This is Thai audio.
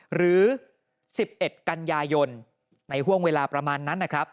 หรือ๑๑กัญญายนในห่วงเวลาประมาณนั้น